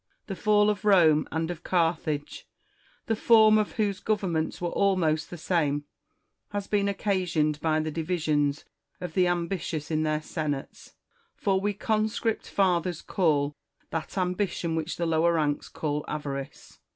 The fall of Rome and of Carthage, the form of whose governments was almost the same, has been occasioned by the divisions of the ambitious in their Senates : for we Conscript Fathers call that ambition which the lower ranks call avarice.